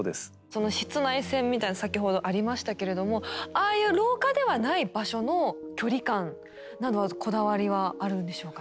その室内戦みたいな先ほどありましたけれどもああいう廊下ではない場所の距離感などはこだわりはあるんでしょうか？